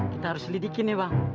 kita harus lidikin ya bang